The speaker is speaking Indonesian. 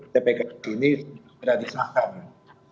dpr ini sudah disampaikan